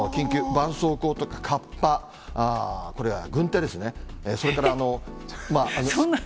ばんそうこうとか、かっぱ、これは軍手ですね、それから。